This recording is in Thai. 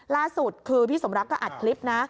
ล่าสุดคือพี่สมรักก็อัดคลิปนะ